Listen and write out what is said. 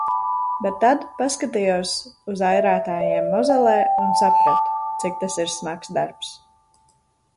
Bet tad paskatījos uz airētājiem Mozelē un sapratu, cik tas ir smags darbs.